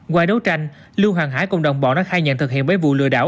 qua đấu tranh lưu hoàng hải cùng đồng bọn đã khai nhận thực hiện bảy vụ lừa đảo